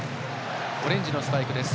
オレンジのスパイクです。